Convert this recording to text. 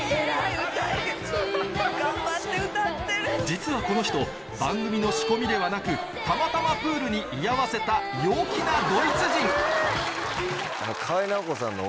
実はこの人番組の仕込みではなくたまたまプールに居合わせた陽気なドイツ人河合奈保子さんの。